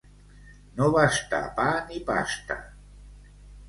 No bastar pa ni pasta.